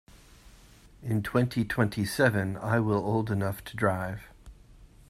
In twenty-twenty-seven I will old enough to drive.